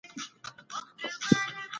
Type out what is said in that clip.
نقل کول بد عادت دی.